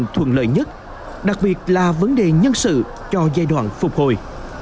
đó là điều thuận lợi nhất đặc biệt là vấn đề nhân sự cho giai đoạn phục hồi